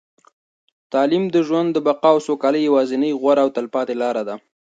تعلیم د ژوند د بقا او سوکالۍ یوازینۍ، غوره او تلپاتې لاره ده.